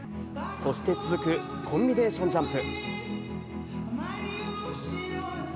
そして続くコンビネーションジャンプ。